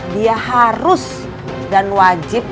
dia harus dan wajib